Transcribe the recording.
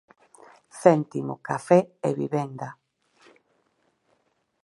Céntimo, café e vivenda...